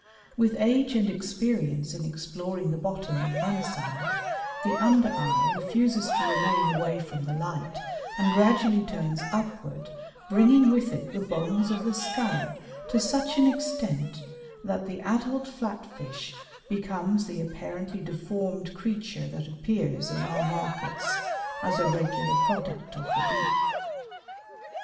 With age and experience in exploring the bottom on one side, the under eye refuses to remain away from the light and gradually turns upward, bringing with it the bones of the skull to such an extent that the adult Flat fish becomes the apparently deformed creature that appears in our markets as a regular product of the deep.